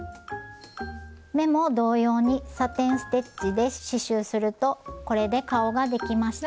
目も同様にサテン・ステッチで刺しゅうするとこれで顔ができました。